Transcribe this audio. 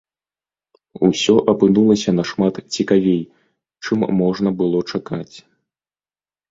Усё апынулася нашмат цікавей, чым можна было чакаць.